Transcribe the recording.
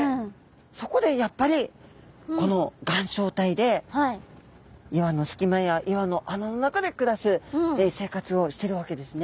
そこでやっぱりこの岩礁帯で岩の隙間や岩の穴の中で暮らす生活をしてるわけですね。